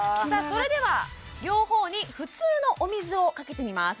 それでは両方に普通のお水をかけてみます